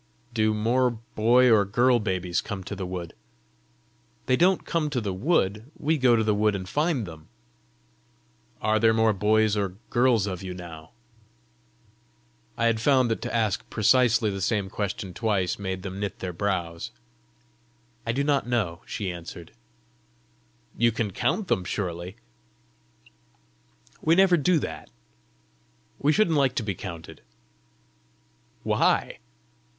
"Do more boy or girl babies come to the wood?" "They don't come to the wood; we go to the wood and find them." "Are there more boys or girls of you now?" I had found that to ask precisely the same question twice, made them knit their brows. "I do not know," she answered. "You can count them, surely!" "We never do that. We shouldn't like to be counted." "Why?"